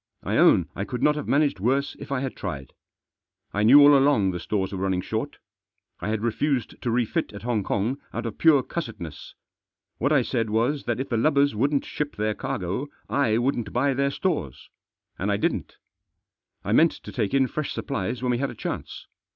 I own I could not have managed worse if I had tried. I knew all along the stores were running short. I had refused to refit at Hong Kong out of pure cussedness. What I said was that if the lubbers wouldn't ship their cargo, I wouldn't buy their stores. And I didn't. I meant to take in fresh supplies when we had a chance.